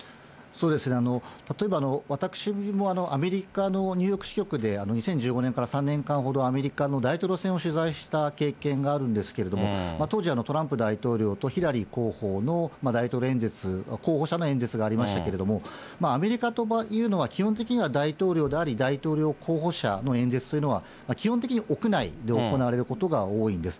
例えば、私もアメリカのニューヨーク支局で２０１５年から３年間ほど、アメリカの大統領選を取材した経験があるんですけれども、当時、トランプ大統領とヒラリー候補の大統領演説、候補者の演説がありましたけども、アメリカというのは基本的には、大統領であり、大統領候補者の演説というのは、基本的に屋内で行われることが多いんです。